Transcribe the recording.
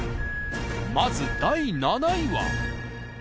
まず第７位は。